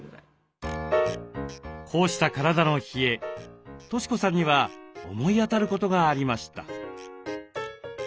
こうした体の冷え俊子さんには思い当たることがありました。